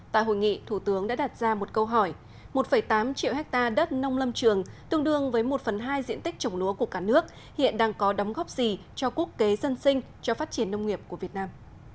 tại hội nghị thủ tướng đã đặt ra một câu hỏi một tám triệu hectare đất nông lâm trường tương đương với một phần hai diện tích trồng lúa của cả nước hiện đang có đóng góp gì cho quốc kế dân sinh cho phát triển nông nghiệp của việt nam